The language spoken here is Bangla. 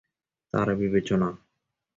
তার বিবেচনা।